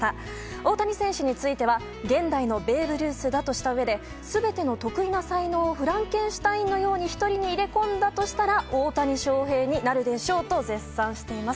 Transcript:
大谷選手については現代のベーブ・ルースだとしたうえで全ての特異な才能をフランケンシュタインのように１人に入れ込んだとしたら大谷翔平になるでしょうと絶賛しています。